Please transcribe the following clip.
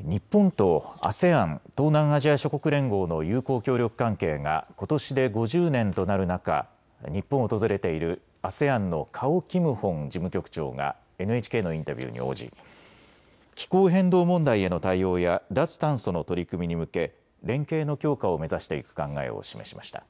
日本とＡＳＥＡＮ・東南アジア諸国連合の友好協力関係がことしで５０年となる中、日本を訪れているＡＳＥＡＮのカオ・キムホン事務局長がＮＨＫのインタビューに応じ気候変動問題への対応や脱炭素の取り組みに向け連携の強化を目指していく考えを示しました。